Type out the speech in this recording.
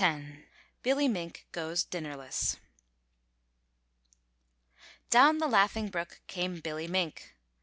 X BILLY MINK GOES DINNERLESS Down the Laughing Brook came Billy Mink.